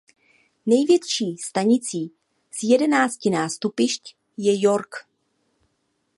Největší stanicí s jedenácti nástupišti je York.